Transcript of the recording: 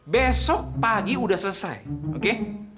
besok pagi sudah selesai oke